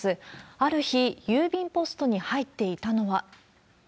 ある日、郵便ポストに入っていたのは。